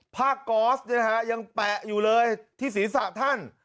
กอสยังแปะอยู่เลยที่ศีรษะท่าน